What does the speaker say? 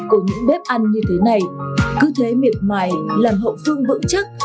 của những bếp ăn như thế này cứ thế miệt mài làm hậu phương vững chắc